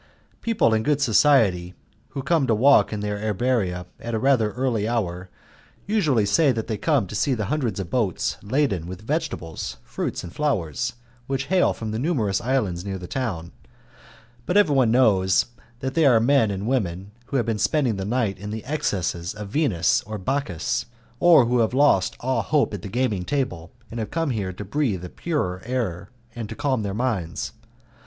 People in good society who come to walk in the Erberia at a rather early hour usually say that they come to see the hundreds of boats laden with vegetables, fruit and flowers, which hail from the numerous islands near the town; but everyone knows that they are men and women who have been spending the night in the excesses of Venus or Bacchus, or who have lost all hope at the gaming table, and come here to breath a purer air and to calm their minds.